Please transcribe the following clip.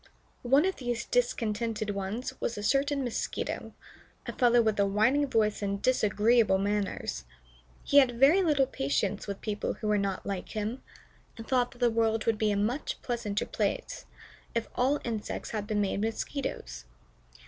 One of these discontented ones was a certain Mosquito, a fellow with a whining voice and disagreeable manners. He had very little patience with people who were not like him, and thought that the world would be a much pleasanter place if all the insects had been made Mosquitoes.